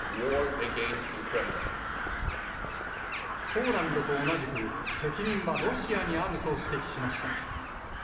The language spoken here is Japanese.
ポーランドと同じく、責任はロシアにあると指摘しました。